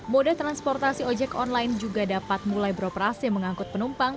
moda transportasi ojek online juga dapat mulai beroperasi mengangkut penumpang